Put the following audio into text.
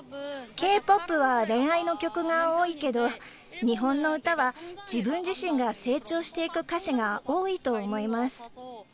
Ｋ−ＰＯＰは恋愛の曲が多いけど、日本の歌は自分自身が成長していく歌詞が多いと思います。